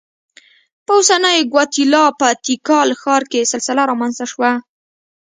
په اوسنۍ ګواتیلا په تیکال ښار کې سلسله رامنځته شوه.